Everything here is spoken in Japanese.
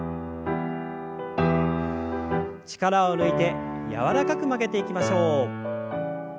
力を抜いて柔らかく曲げていきましょう。